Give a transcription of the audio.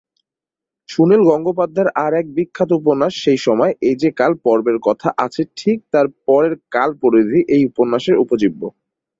সুনীল গঙ্গোপাধ্যায়ের আর এক বিখ্যাত উপন্যাস সেই সময়-এ যে কাল-পর্বের কথা আছে ঠিক তার পরের কাল-পরিধি এই উপন্যাসের উপজীব্য।